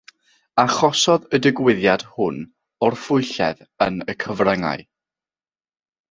Achosodd y digwyddiad hwn orffwylledd yn y cyfryngau.